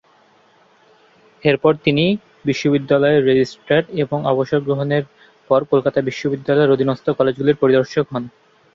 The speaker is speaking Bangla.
এরপর তিনি বিশ্ববিদ্যালয়ের রেজিস্টার এবং অবসর গ্রহণের পর কলকাতা বিশ্ববিদ্যালয়ের অধীনস্থ কলেজগুলির পরিদর্শক হন।